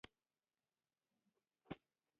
د ستوري رڼا د فضاء د ژورې تیارې په منځ کې یو امید دی.